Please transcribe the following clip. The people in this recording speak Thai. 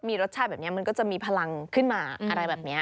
มีรสชาติแบบนี้มันก็จะมีพลังขึ้นมาอะไรแบบนี้